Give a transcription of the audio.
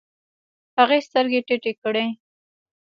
هغې سترګې ټيټې کړې.